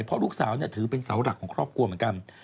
เพราะลูกสาวถือเป็นเสาหลักของครอบครัวเหมือนกัน